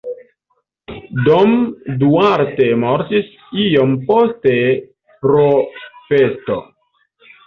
Dom Duarte mortis iom poste pro pesto.